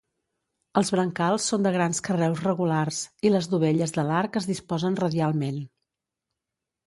Els brancals són de grans carreus regulars, i les dovelles de l'arc es disposen radialment.